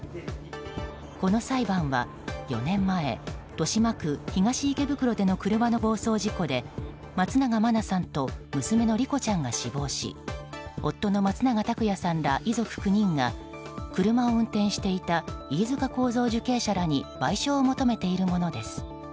この裁判は４年前豊島区東池袋での車の暴走事故で松永真菜さんと娘の莉子ちゃんが死亡し夫の松永拓也さんら、遺族９人が車を運転していた飯塚幸三受刑者らに賠償を求めているものです。